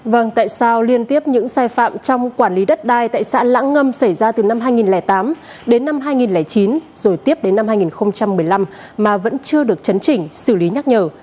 vâng tại sao liên tiếp những sai phạm trong quản lý đất đai tại xã lãng ngâm xảy ra từ năm hai nghìn tám đến năm hai nghìn chín rồi tiếp đến năm hai nghìn một mươi năm mà vẫn chưa được chấn chỉnh xử lý nhắc nhở